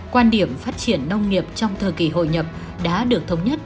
quan điểm phát triển nông nghiệp trong thời kỳ hội nhập đã được thống nhất